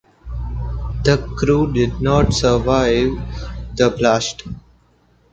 The crew did not survive the blast.